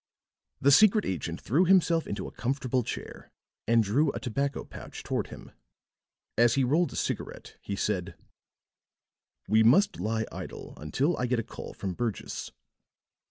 The secret agent threw himself into a comfortable chair and drew a tobacco pouch toward him. As he rolled a cigarette he said: "We must lie idle until I get a call from Burgess."